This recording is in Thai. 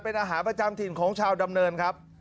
เป็นอาหารประจำถิ่นของชาวดำเนินครับ